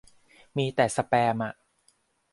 มีแต่สแปมอ่ะ